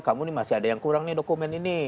kamu masih ada yang kurang dokumen ini